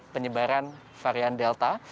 penyebaran varian delta